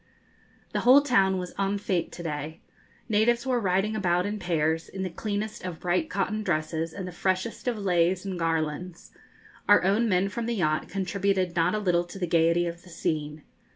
The whole town was en fête to day. Natives were riding about in pairs, in the cleanest of bright cotton dresses and the freshest of leis and garlands. Our own men from the yacht contributed not a little to the gaiety of the scene.